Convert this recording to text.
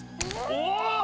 お！